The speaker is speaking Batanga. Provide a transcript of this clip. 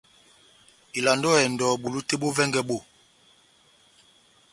Ivalandi ó ehɛndɔ bulu tɛ́h bó vɛngɛ bó.